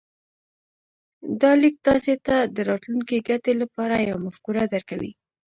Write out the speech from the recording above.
دا ليک تاسې ته د راتلونکې ګټې لپاره يوه مفکوره درکوي.